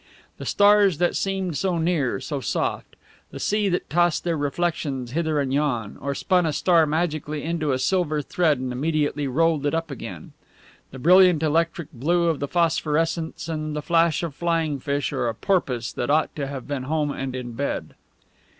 The stars that seemed so near, so soft; the sea that tossed their reflections hither and yon, or spun a star magically into a silver thread and immediately rolled it up again; the brilliant electric blue of the phosphorescence and the flash of flying fish or a porpoise that ought to have been home and in bed.